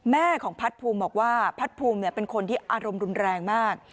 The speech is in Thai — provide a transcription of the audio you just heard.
แม่ของพัดภูมิบอกว่าพัดภูมิเป็นคนที่อารมณ์รุนแรงมาก